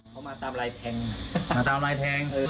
เขามาตามลายแทง